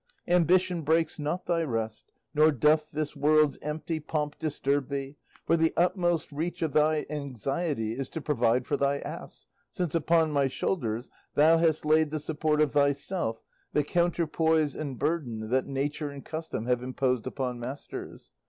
Ambition breaks not thy rest, nor doth this world's empty pomp disturb thee, for the utmost reach of thy anxiety is to provide for thy ass, since upon my shoulders thou hast laid the support of thyself, the counterpoise and burden that nature and custom have imposed upon masters.